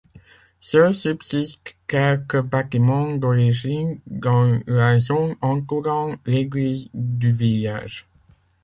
Seuls subsistent quelques bâtiments d'origine, dans la zone entourant l'église du village.